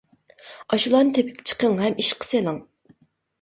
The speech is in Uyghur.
ئاشۇلارنى تېپىپ چىقىڭ ھەم ئىشقا سېلىڭ.